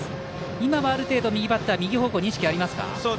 今はある程度、右バッター右方向に意識ありますか。